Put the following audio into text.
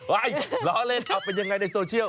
อ้าวเหลือเล่นเป็นยังไงในโซเชียล